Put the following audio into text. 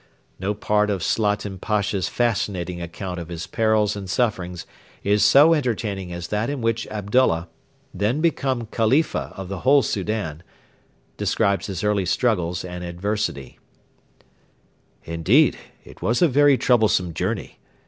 No part of Slatin Pasha's fascinating account of his perils and sufferings is so entertaining as that in which Abdullah, then become Khalifa of the whole Soudan, describes his early struggles and adversity: 'Indeed it was a very troublesome journey.